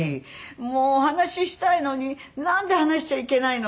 「もうお話ししたいのになんで話しちゃいけないの」